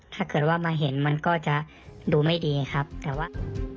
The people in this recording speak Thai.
ถ้าเกิดว่ามาเห็นมันก็จะดูไม่ดีครับแต่ว่า